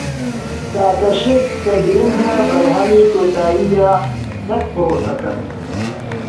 تاکە شت کە گرنگە بەرهەمی کۆتایییە نەک پرۆسەکە.